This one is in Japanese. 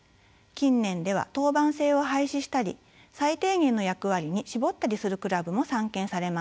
近年では当番制を廃止したり最低限の役割に絞ったりするクラブも散見されます。